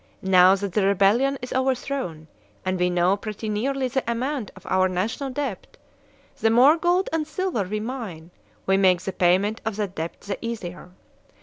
Now that the Rebellion is overthrown, and we know pretty nearly the amount of our national debt, the more gold and silver we mine, we make the payment of that debt the easier.